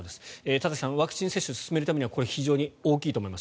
田崎さん、ワクチン接種を進めるためには非常に大きいと思います。